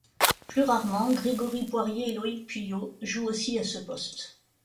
Plus rarement, Grégory Poirier et Loïc Puyo jouent aussi à ce poste.